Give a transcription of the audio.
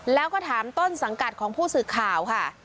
แล้วก็ถามต้นสังกัดของผู้สื่อข่าวค่ะ